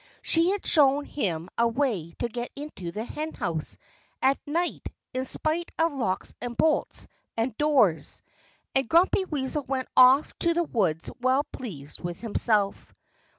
She had shown him a way to get into the henhouse at night in spite of locks and bolts and doors. And Grumpy Weasel went off to the woods well pleased with himself.